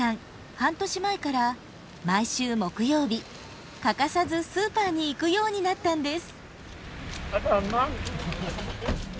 半年前から毎週木曜日欠かさずスーパーに行くようになったんです。